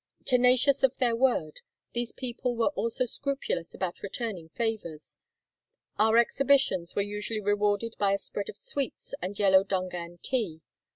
Tenacious of their word, these people were also scrupulous about returning favors. Our exhibitions were usually rewarded by a spread of sweets and yellow Dungan tea.